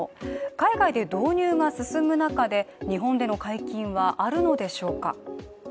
海外で導入が進む中で日本での解禁はあるのでしょうか。